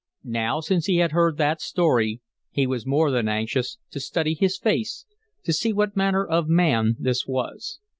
Now since he had heard that story he was more than anxious to study his face, to see what manner of man this was.